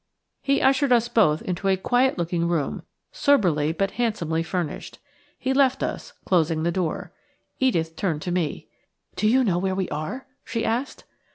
He ushered us both into a quiet looking room, soberly but handsomely furnished. He left us, closing the door. Edith turned to me. "Do you know where we are?" she asked.